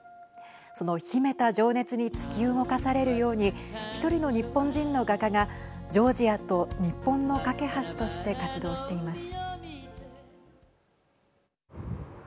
その秘めた情熱に突き動かされるように１人の日本人の画家がジョージアと日本の懸け橋として活動しています。